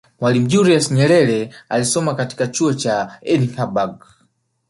mwalimu julius nyerere alisoma katika chuo cha edinburgh